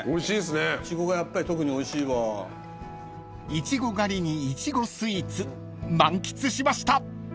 ［イチゴ狩りにイチゴスイーツ満喫しました］